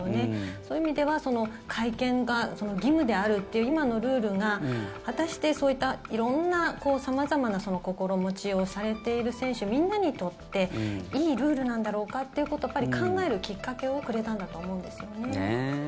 そういう意味では会見が義務であるという今のルールが果たしてそういった色んな様々な心持ちをされている選手みんなにとっていいルールなんだろうかということを考えるきっかけをくれたんだと思うんですよね。